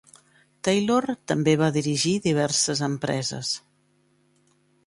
Taylor també va dirigir diverses empreses.